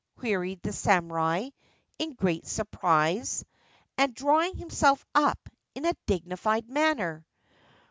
queried the samurai in great surprise, and drawing himself up, in a dignified manner.